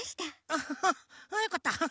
アハハよかった。